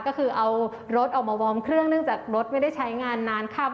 ก็คือเอารถออกมาวอร์มเครื่องเนื่องจากรถไม่ได้ใช้งานนานค่ำ